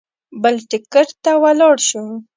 بل ټکټ ته ولاړ شو.